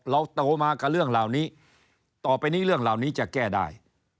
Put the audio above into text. โตมากับเรื่องเหล่านี้ต่อไปนี้เรื่องเหล่านี้จะแก้ได้